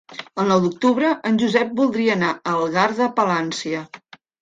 El nou d'octubre en Josep voldria anar a Algar de Palància.